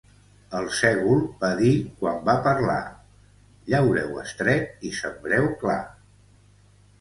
El sègol va dir quan va parlar: «Llaureu estret i sembreu clar».